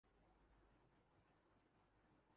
پورا دن کاروبار زندگی میں مشغول اور محنت سے چور